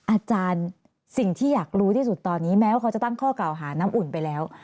อาจารย์สิ่งที่อยากรู้ที่สุดตอนนี้แม้ว่าเขาจะตั้งข้อเก่าหาน้ำอุ่นไปแล้ว